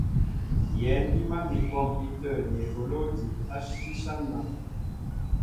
Yɛ̌n i mǎl mi a kwɔmpi tə̂ ni eboló ejí tí áshán nān.